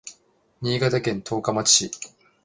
新潟県十日町市